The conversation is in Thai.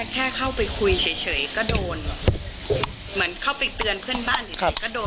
แค่เข้าไปคุยเฉยก็โดนเหมือนเข้าไปเตือนเพื่อนบ้านเฉยก็โดน